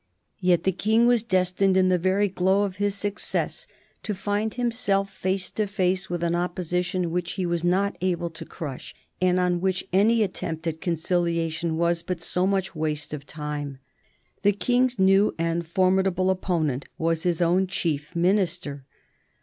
Yet the King was destined in the very glow of his success to find himself face to face with an opposition which he was not able to crush, and on which any attempt at conciliation was but so much waste of time. The King's new and formidable opponent was his own chief minister.